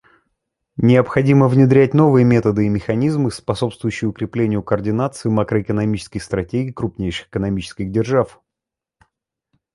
Необходимо внедрять новые методы и механизмы, способствующие укреплению координации макроэкономических стратегий крупнейших экономических держав.